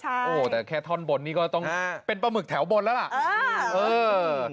ใช่ใช่โอ้วแต่แค่ท่อนบนนี่ก็ต้องฮะเป็นปลาหมึกแถวบนแล้วล่ะเออเออ